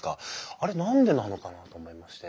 あれ何でなのかなと思いまして。